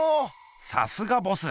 さすがボス！